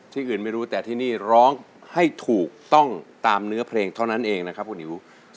ที่อื่นไม่รู้แต่ที่นี่ร้องให้ถูกต้องตามเนื้อเพลงเท่านั้นเองนะครับคุณอิ๋ว